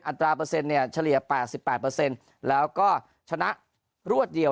ตราเปอร์เซ็นต์เนี่ยเฉลี่ย๘๘แล้วก็ชนะรวดเดียว